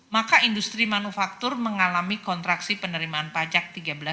maka industri manufaktur mengalami kontraksi penerimaan pajak tiga belas